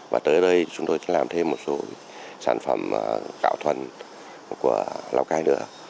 và tới đây chúng tôi sẽ làm thêm một số sản phẩm cạo thuần của lào cai nữa